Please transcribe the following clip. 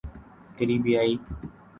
کریبیائی